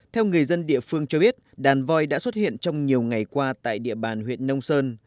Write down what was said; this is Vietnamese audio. theo người dân địa phương cho biết đàn voi đã xuất hiện trong nhiều ngày qua tại địa bàn huyện nông sơn